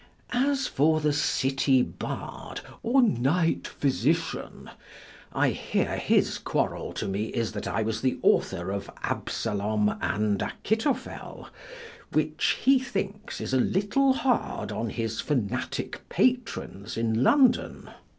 As for the City Bard, or Knight Physician, I hear his quarrel to me is that I was the author of Absalom and Achitophel, which, he thinks, is a little hard on his fanatic patrons in London.